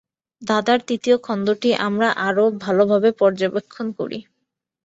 ধাঁধার তৃতীয় খণ্ডটি আমরা আরও ভালভাবে পর্যবেক্ষণ করি।